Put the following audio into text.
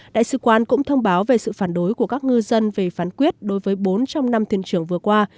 đại sứ quán cũng thông báo về sự phản đối của các ngư dân về phán quyết đối với bốn trong năm thuyền trưởng vừa qua